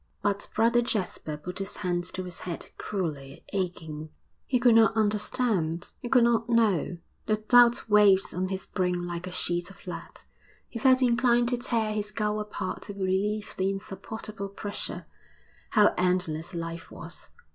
But Brother Jasper put his hands to his head cruelly aching. He could not understand, he could not know the doubt weighed on his brain like a sheet of lead; he felt inclined to tear his skull apart to relieve the insupportable pressure. How endless life was!